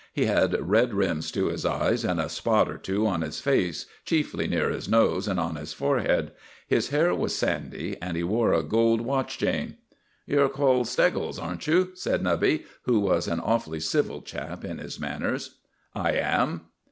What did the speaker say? He had red rims to his eyes and a spot or two on his face, chiefly near his nose and on his forehead; his hair was sandy, and he wore a gold watch chain. "You're called Steggles, aren't you?" said Nubby, who was an awfully civil chap in his manners. "I am."